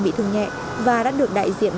bị thương nhẹ và đã được đại diện